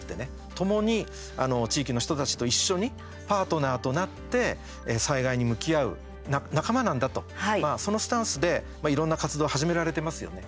ともに地域の人たちと一緒にパートナーとなって災害に向き合う仲間なんだとそのスタンスで、いろんな活動を始められてますよね。